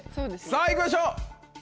さぁ行きましょう！